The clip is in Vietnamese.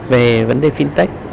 về vấn đề fintech